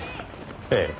ええ。